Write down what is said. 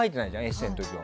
エッセーの時は。